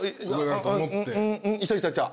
いたいたいた。